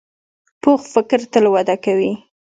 پوخ فکر تل وده کوي